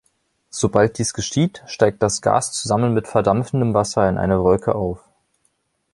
Sobald dies geschieht, steigt das Gas zusammen mit verdampfendem Wasser in eine Wolke auf.